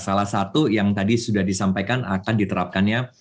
salah satu yang tadi sudah disampaikan akan diterapkannya